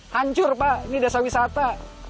hancur pak ini desa wisata